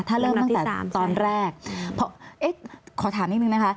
ถ้าเริ่มตั้งแต่ตอนแรกขอถามนิดนึงนะคะ